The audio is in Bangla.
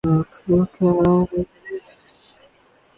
একটি সুস্পষ্ট উজ্জ্বল জীবন ব্যবস্থা আমাকে দেওয়া হয়েছে।